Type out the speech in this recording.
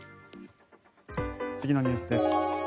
次のニュースです。